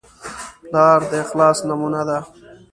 پلار د اخلاص نمونه ده.